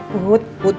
put put put